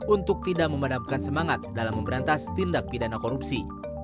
untuk tidak memadamkan semangat dalam memberantas tindak pidana korupsi